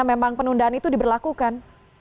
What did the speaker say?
memang penundaan itu diberlakukan